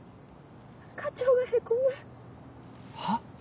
課長がへこむ。は？